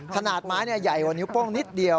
ขนาดไม้ใหญ่กว่านิ้วโป้งนิดเดียว